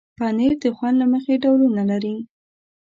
پنېر د خوند له مخې ډولونه لري.